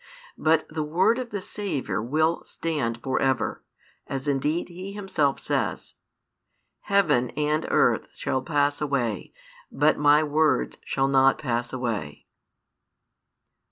But the Word of the Saviour will stand for ever, as indeed He Himself says: Heaven and earth shall pass away: but My words shall not pass away.